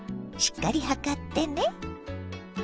しっかり量ってね。